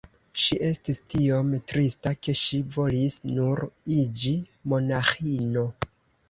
Ŝi estis tiom trista ke ŝi volis nur iĝi monaĥino.